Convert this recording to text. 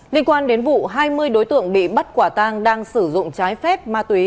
liên quan đến vụ hai mươi đối tượng bị bắt quả tang đang sử dụng trái phép ma túy